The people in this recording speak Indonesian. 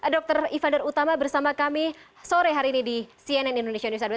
dr ivandar utama bersama kami sore hari ini di cnn indonesia news update